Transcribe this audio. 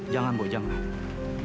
jangan bok jangan